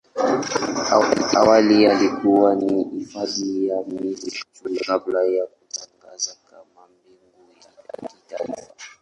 Awali ilikuwa ni hifadhi ya misitu kabla ya kutangazwa kama mbuga ya kitaifa.